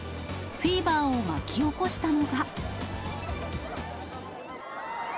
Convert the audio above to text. フィーバーを巻き起こしたのが。